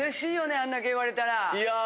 あんだけ言われたら。